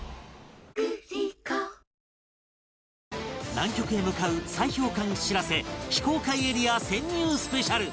南極へ向かう砕氷艦「しらせ」非公開エリア潜入スペシャル